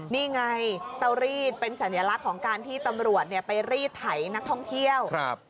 นี่ไงเตารีดเป็นสัญลักษณ์ของการที่ตำรวจไปรีดไถนักท่องเที่ยว